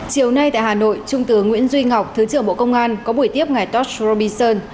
chiều nay tại hà nội trung tướng nguyễn duy ngọc thứ trưởng bộ công an có buổi tiếp ngày tosh robinson